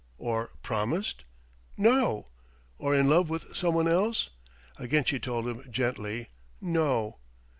"Or promised?" "No...." "Or in love with someone else?" Again she told him, gently, "No."